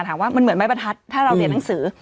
ถามว่ามันเหมือนไม้ประทัดถ้าเราเรียนหนังสือ